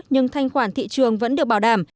nhưng thanh khoản thị trường vẫn được bảo đảm